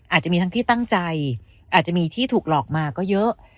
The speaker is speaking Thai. อาจจะมีทั้งที่ตั้งใจอาจจะมีที่ถูกหลอกมาก็เยอะ